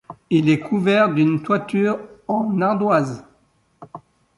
Il est couvert d'une toiture en ardoise.